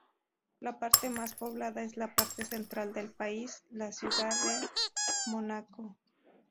La parte más poblada es la parte central del país, la Ciudad de Mónaco.